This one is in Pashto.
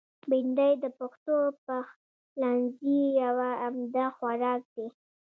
بېنډۍ د پښتو پخلنځي یو عمده خوراک دی